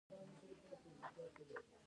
خاوره د افغانانو د معیشت سرچینه ده.